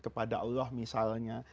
kepada allah misalnya